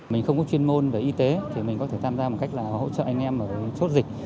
mình không có chuyên môn về y tế thì mình có thể tham gia một cách là hỗ trợ anh em ở chốt dịch